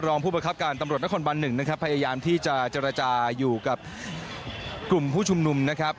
ผู้ประคับการตำรวจนครบันหนึ่งนะครับพยายามที่จะเจรจาอยู่กับกลุ่มผู้ชุมนุมนะครับ